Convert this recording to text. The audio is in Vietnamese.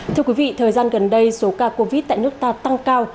thưa quý vị thời gian gần đây số ca covid tại nước ta tăng cao